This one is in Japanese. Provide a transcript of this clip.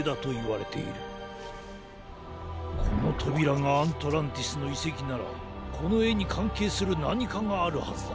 このとびらがアントランティスのいせきならこのえにかんけいするなにかがあるはずだ。